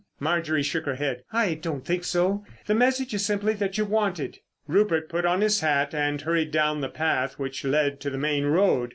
Marjorie shook her head. "I don't think so. The message is simply that you're wanted." Rupert put on his hat and hurried down the path which led to the main road.